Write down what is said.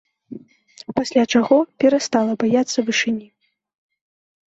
Пасля чаго перастала баяцца вышыні.